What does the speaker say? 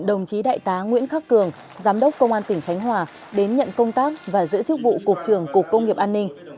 đồng chí đại tá nguyễn khắc cường giám đốc công an tỉnh khánh hòa đến nhận công tác và giữ chức vụ cục trưởng cục công nghiệp an ninh